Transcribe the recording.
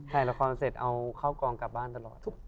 ถ่ายละครเสร็จเอาเข้ากองกลับบ้านตลอด